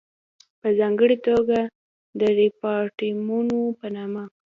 په ځانګړې توګه د ریپارټیمنټو په نامه وو.